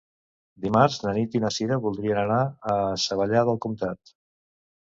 Dimarts na Nit i na Cira voldrien anar a Savallà del Comtat.